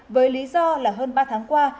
với lý do là hơn ba tháng qua